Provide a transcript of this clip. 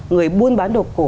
người buôn bán đồ cổ